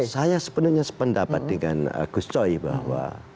saya sepenuhnya sependapat dengan gus coy bahwa